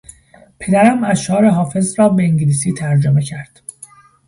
پدرم اشعار حافظ را به انگلیسی ترجمه کرد.